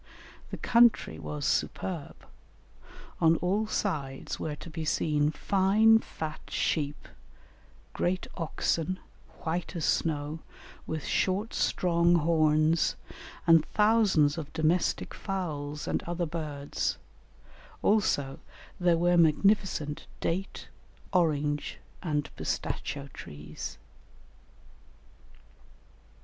The country was superb; on all sides were to be seen fine fat sheep, great oxen, white as snow, with short strong horns, and thousands of domestic fowls and other birds; also there were magnificent date, orange, and pistachio trees.